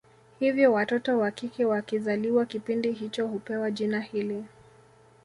Hivyo watoto wakike wakizaliwa kipindi hicho hupewa jina hili